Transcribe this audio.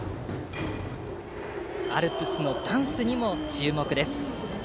アルプスのダンスにも注目です。